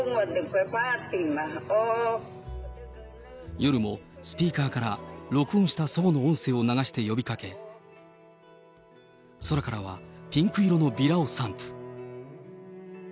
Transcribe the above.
夜もスピーカーから録音した祖母の音声を流して呼びかけ、空からはピンク色のビラを散布。